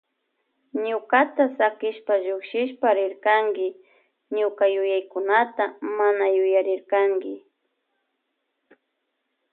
Ñukata sakishpa llukshishpa rirkanki ñuka yuya yuyaykunata mana yuyarirkanki.